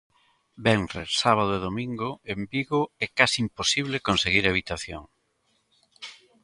Venres, sábado e domingo en Vigo é case imposible conseguir habitación.